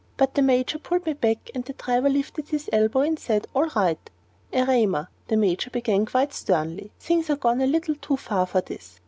But the Major pulled me back, and the driver lifted his elbow and said, "All right." "Erema," the Major began, quite sternly, "things are gone a little too far for this.